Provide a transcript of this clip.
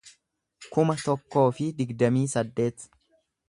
kuma tokkoo fi digdamii saddeet